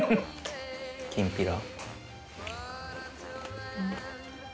きんぴら。